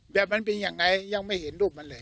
แบบมันเป็นอย่างไรยังไม่เห็น